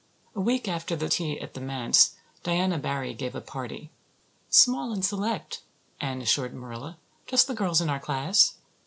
A week after the tea at the manse Diana Barry gave a party. "Small and select," Anne assured Marilla. "Just the girls in our class."